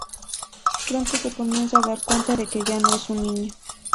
Pronto se comienza a dar cuenta de que ya no es un niño.